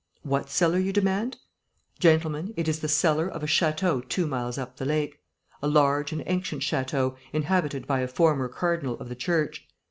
What cellar, you demand? Gentlemen, it is the cellar of a château two miles up the lake. A large and ancient château, inhabited by a former cardinal of the church.